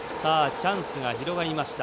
チャンスが広がりました。